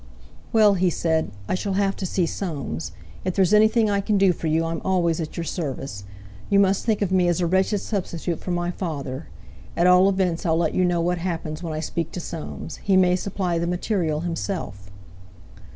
"Well," he said, "I shall have to see Soames. If there's anything I can do for you I'm always at your service. You must think of me as a wretched substitute for my father. At all events I'll let you know what happens when I speak to Soames. He may supply the material himself."